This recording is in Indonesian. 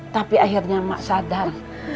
tapi akhirnya mak sadar